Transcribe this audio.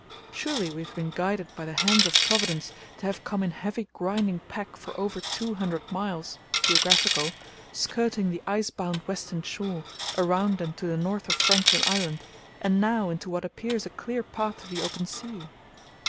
Surely we have been guided by the hands of Providence to have come in heavy grinding pack for over two hundred miles (geographical), skirting the ice bound western shore, around and to the north of Franklin Island, and now into what appears a clear path to the open sea!